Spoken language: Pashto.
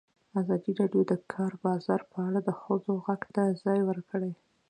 ازادي راډیو د د کار بازار په اړه د ښځو غږ ته ځای ورکړی.